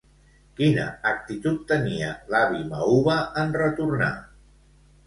Quina actitud tenia, l'avi Mauva, en retornar?